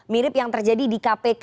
mirip yang terjadi dikini